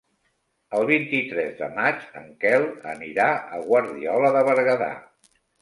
El vint-i-tres de maig en Quel anirà a Guardiola de Berguedà.